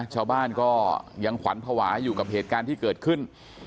ชาวบ้านก็ยังขวัญภาวะอยู่กับเหตุการณ์ที่เกิดขึ้น